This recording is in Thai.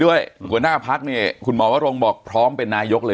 ด้วยผู้หน้าพักเนี้ยคุณหมอวะรงบอกพร้อมเป็นนายกเลย